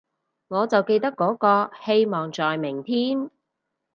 我就記得嗰個，希望在明天